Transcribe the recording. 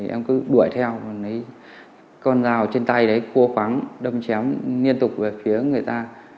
em cứ đuổi theo con dao trên tay đấy cua khoắn đâm chém liên tục về phía người ta